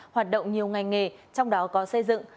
hoạt động nhiều ngành nghề trong đó có xây dựng